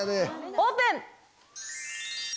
オープン！